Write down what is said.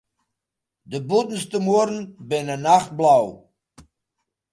De bûtenste muorren binne nachtblau.